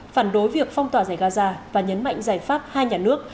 phản đối việc phong tỏa giải gaza và nhấn mạnh giải pháp hai nhà nước